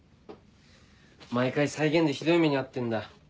毎回再現でひどい目に遭ってんだ。